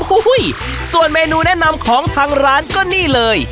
โอ้โหส่วนเมนูแนะนำของทางร้านก็นี่เลย